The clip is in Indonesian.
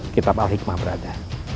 kitab al hikmah berada